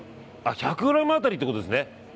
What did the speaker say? １００ｇ当たりってことですね。